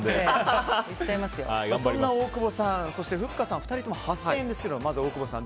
そんな大久保さん、ふっかさん２人とも８０００円ですがまず、大久保さん。